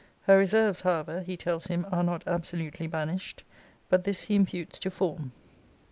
Her reserves, however, he tells him, are not absolutely banished. But this he imputes to form.